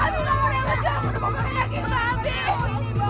aku gak mungkin menjual kerupuk pakai daging babi